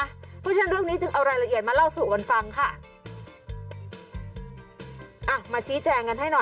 เพราะฉะนั้นเรื่องนี้จะเอารายละเอียดมาเล่าแบบนี้ฟังค่ะ